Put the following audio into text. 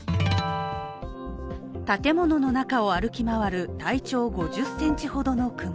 建物の中を歩き回る体長５０ｃｍほどの熊。